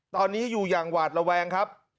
ตอนนี้อยู่อย่างหวาดระแวงครับ